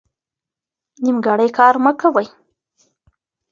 نیمګړی کار مه کوئ.